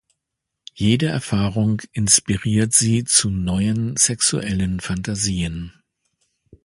Jede Erfahrung inspiriert sie zu neuen sexuellen Fantasien.